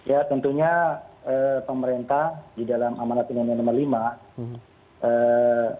ya tentunya pemerintah di dalam amanat penyelamatan nomor lima